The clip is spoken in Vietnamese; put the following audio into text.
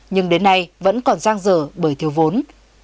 nhưng đến nay vẫn còn răng rở bởi thiếu vốn